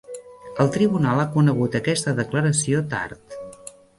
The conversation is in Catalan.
El tribunal ha conegut aquesta declaració tard.